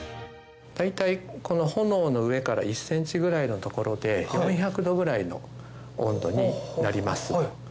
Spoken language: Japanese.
大体この炎の上から１ｃｍぐらいの所で４００℃ぐらいの温度になります。